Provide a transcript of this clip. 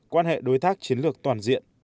quan hệ đối tác chiến lược toàn diện